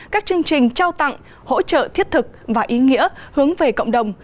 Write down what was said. các chương trình trao tặng hỗ trợ thiết thực và ý nghĩa hướng về cộng đồng